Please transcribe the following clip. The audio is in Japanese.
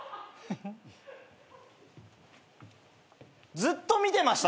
ずっと見てました？